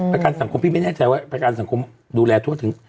ประกันสังคมพี่ไม่แน่ใจว่าประกันสังคมดูแลทั่วถึง